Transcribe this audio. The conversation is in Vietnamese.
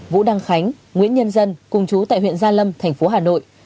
vũ đăng khánh nguyễn nhân dân cùng chú tại huyện gia lâm thành phố hà nội